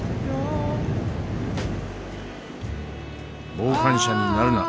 「傍観者になるな」。